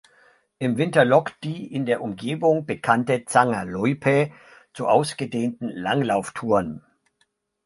Im Winter lockt die in der Umgebung bekannte "Zanger Loipe" zu ausgedehnten Langlauf-Touren.